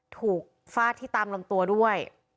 ฟาดที่ตามลำตัวด้วย